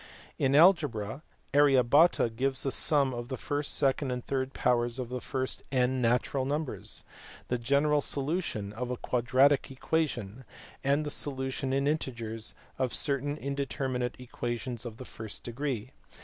In algebra Arya Bhata gives the sum of the first, second, and third powers of the first n natural numbers ; the general solution of a quadratic equation ; and the solution in integers of certain indeterminate equations of the first degree.